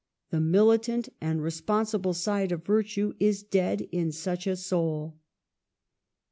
The militant and respon sible side of virtue is dead in such a soul.